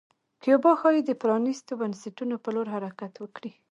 کیوبا ښايي د پرانیستو بنسټونو په لور حرکت وکړي.